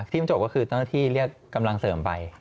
ที่มันจบก็คือเจ้าหน้าที่เรียกกำลังเสริมไป